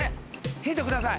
ヒントください！